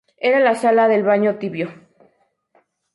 Era la sala del baño tibio.